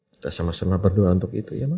kita sama sama berdoa untuk itu ya mas